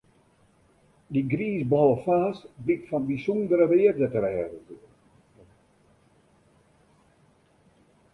Dy griisblauwe faas blykt fan bysûndere wearde te wêze.